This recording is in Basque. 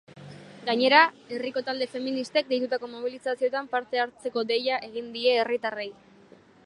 Gainera, herriko talde feministek deitutako mobilizazioetan parte hartzeko deia egin die herritarrei.